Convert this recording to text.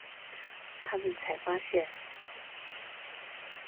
他們才發現